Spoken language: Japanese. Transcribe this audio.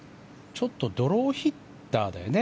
ちょっとドローヒッターだよね